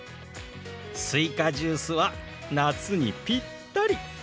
すいかジュースは夏にぴったり！